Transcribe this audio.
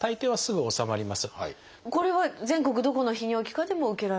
これは全国どこの泌尿器科でも受けられる？